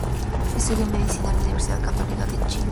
Estudió medicina en la Universidad Católica de Chile.